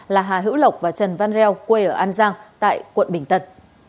là hà hữu lộc và trần văn reo quê ở an giang tại quận bình tân